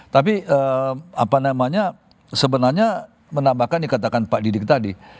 tapi apa namanya sebenarnya menambahkan dikatakan pak didik tadi